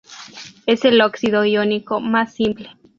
Es el óxido iónico más simple.